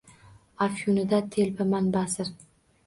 Аfyunidan telbaman basir.